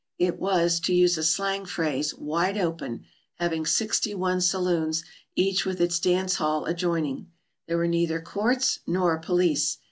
It was, to use a slang phrase, "wide open," having sixty one saloons, each with its dance hall adjoin ing. There were neither courts nor police.